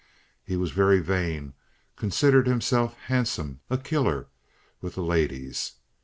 He was very vain, considered himself handsome, a "killer" with the ladies.